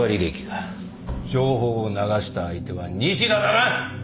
情報を流した相手は西田だな！